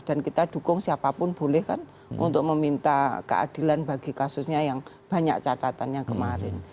kita dukung siapapun boleh kan untuk meminta keadilan bagi kasusnya yang banyak catatannya kemarin